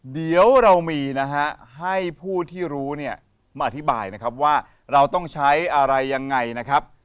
เดี๋ยวเรามีนะฮะให้ผู้ที่รู้เนี่ยมาอธิบายนะครับว่าเราต้องใช้อะไรยังไงนะครับ